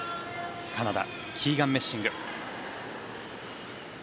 カナダキーガン・メッシング。